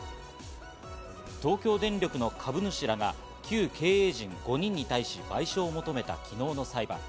東京電力の株主らが旧経営陣５人に対し賠償を求めた昨日の裁判。